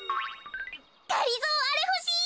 がりぞーあれほしい！